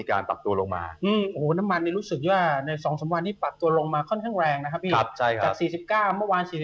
จาก๔๙เมื่อวาน๔๘ช้ามาวันนี้ดูอยู่ประมาณ๔๖เหรียญต่อมาแล้ว